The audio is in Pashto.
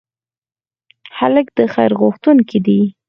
هلک د خیر غوښتونکی دی.